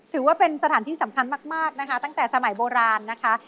ถือว่าเป็นสถานที่สำคัญมากนะคะตั้งแต่สมัยโบราณนะคะ